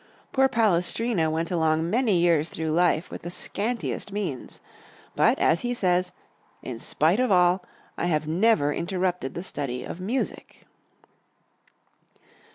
Poor Palestrina went along many years through life with the scantiest means. But, as he says, "in spite of all, I have never interrupted the study of music."